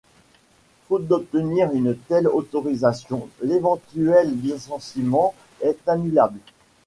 Faute d'obtenir une telle autorisation, l'éventuel licenciement est annulable.